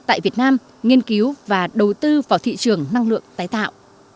tại việt nam nghiên cứu và đầu tư vào thị trường năng lượng tái tạo